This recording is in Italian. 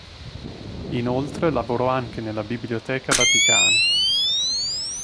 Inoltre lavorò anche nella Biblioteca Vaticana.